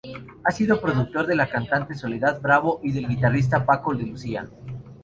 Ha sido productor de la cantante Soledad Bravo y del guitarrista Paco de Lucía.